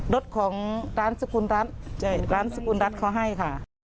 รถของร้านสกุลรัฐเค้าให้ค่ะ